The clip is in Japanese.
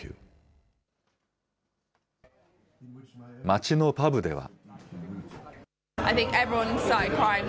街のパブでは。